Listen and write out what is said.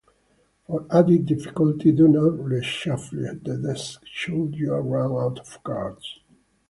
For added difficulty, do not reshuffle the deck should you run out of cards.